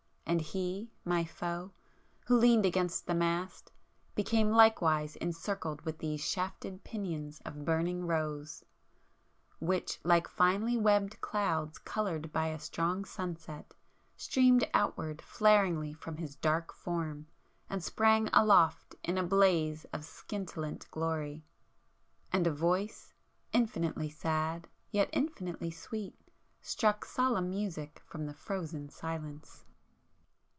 And He, my Foe, who leaned against the mast, became likewise encircled with these shafted pinions of burning rose, which like finely webbed clouds coloured by a strong sunset, streamed outward flaringly from his dark Form and sprang aloft in a blaze of scintillant glory. And a Voice infinitely sad, yet infinitely sweet, struck solemn music from the frozen silence.